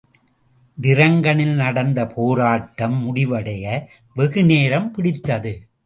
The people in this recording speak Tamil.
டிரங்கனில் நடந்த போராட்டம் முடிவடைய வெகுநேரம் பிடித்தது.